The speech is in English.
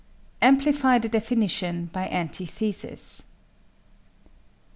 Amplify the definition by antithesis.